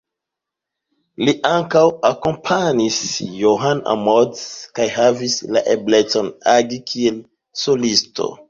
Li ankaŭ akompanis John Hammond Jr kaj havis la eblecon, agi kiel solisto.